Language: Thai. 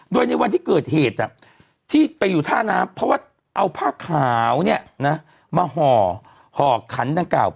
โดยในวันที่เกิดเหตุที่ไปอยู่ท่าน้ำเพราะว่าเอาผ้าขาวมาห่อขันดังกล่าว